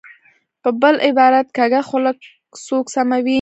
په بل عبارت، کږه خوله سوک سموي.